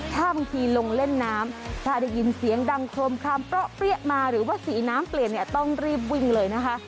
ถ้าบางทีลงเล่นน้ำถ้าได้ยินเสียงดังโครมคลามเปรี้ยมาหรือว่าสีน้ำเปลี่ยนเนี่ยต้องรีบวิ่งเลยนะคะ